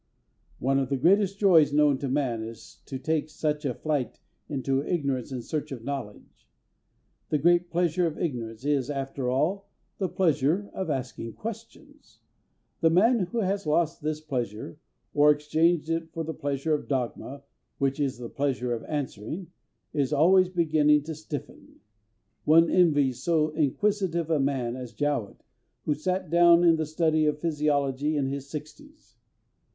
One of the greatest joys known to man is to take such a flight into ignorance in search of knowledge. The great pleasure of ignorance is, after all, the pleasure of asking questions. The man who has lost this pleasure or exchanged it for the pleasure of dogma, which is the pleasure of answering, is already beginning to stiffen. One envies so inquisitive a man as Jowett, who sat down to the study of physiology in his sixties.